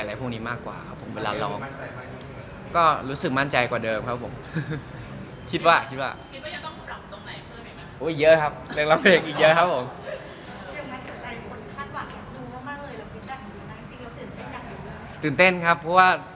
เต้นครับเพราะว่า